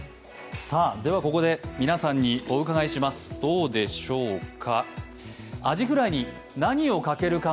では、ここで皆さんにお伺いします、どうでしょうか。